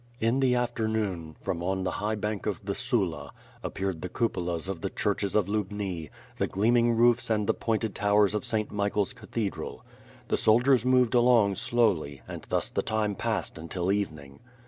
In the afternoon, from on the high bank of the Sula, ap peared the cupolas of the churches of Lubni, the gleaming roofs and the pointed towers of St. Michael's Cathedral. The soldiers moved along slowly, and thus the time passed until evening.